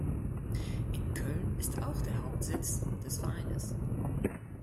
In Köln ist auch der Hauptsitz des Vereines.